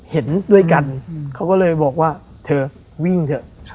เห็นด้วยกันเขาก็เลยบอกว่าเธอวิ่งเถอะ